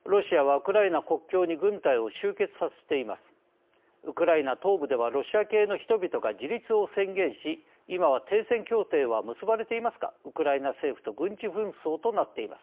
ウクライナ東部ではロシア系の人々が自立を宣言し今は停戦協定は結ばれていますがウクライナ政府と軍事紛争となっています。